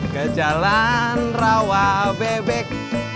ke jalan rawabebek